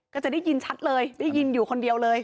ก็จะได้ยินชัดเลยได้ยินอยู่คนเดียวเลย